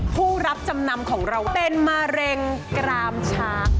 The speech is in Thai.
ผู้รับจำนำของเราเป็นมะเร็งกรามช้าง